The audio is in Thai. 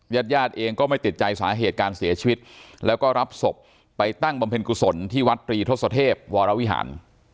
ญาติญาติเองก็ไม่ติดใจสาเหตุการเสียชีวิตแล้วก็รับศพไปตั้งบำเพ็ญกุศลที่วัดตรีทศเทพวรวิหาร